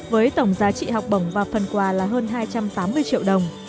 với tổng giá trị học bổng và phần quà là hơn hai trăm tám mươi triệu đồng